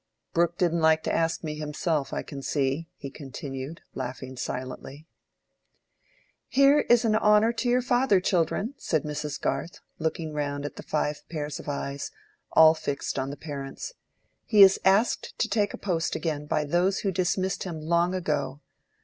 "Brooke didn't like to ask me himself, I can see," he continued, laughing silently. "Here is an honor to your father, children," said Mrs. Garth, looking round at the five pair of eyes, all fixed on the parents. "He is asked to take a post again by those who dismissed him long ago.